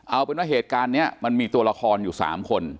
เอาเป็นว่าเหตุการณ์นี้มันมีตัวละครอยู่๓คน